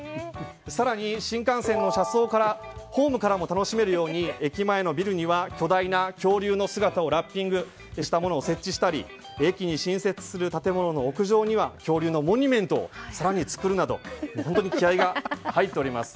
更に新幹線の車窓からホームからも楽しめるように駅前のビルには巨大な恐竜の姿をラッピングしたものを設置したり駅に新設する建物の屋上には恐竜のモニュメントを更に作るなど気合が入っております。